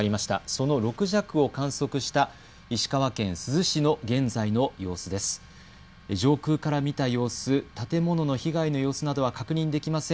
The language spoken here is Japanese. その６弱を観測した石川県珠洲市の現在の様子です。